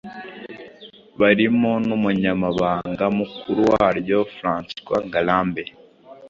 barimo n'umunyamabanga mukuru waryo François Ngarambe